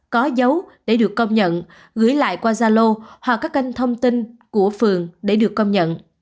có dấu để được công nhận gửi lại qua zalo hoặc các kênh thông tin của phường để được công nhận